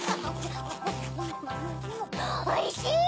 おいしい！